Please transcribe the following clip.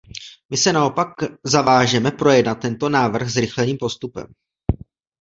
My se naopak zavážeme projednat tento návrh zrychleným postupem.